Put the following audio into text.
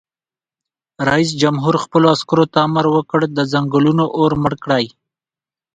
رئیس جمهور خپلو عسکرو ته امر وکړ؛ د ځنګلونو اور مړ کړئ!